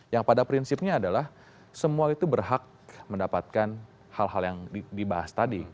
yang pada prinsipnya adalah semua itu berhak mendapatkan hal hal yang dibahas tadi